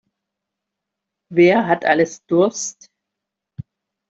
Wer hat alles Durst?